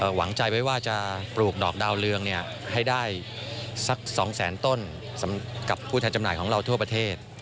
หวังใจไว้ว่าจะปลูกดอกดาวเรืองให้ได้สัก๒แสนต้นสำหรับผู้แทนจำหน่ายของเราทั่วประเทศ